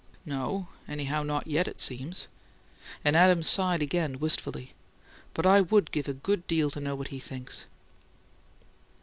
"No; anyhow not yet, it seems." And Adams sighed again, wistfully. "But I WOULD give a good deal to know what he thinks!"